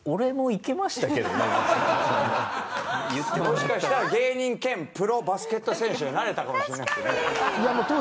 もしかしたら芸人兼プロバスケット選手になれたかもしれないですよね。